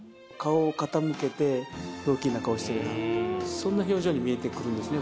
そんな表情に見えてくるんですね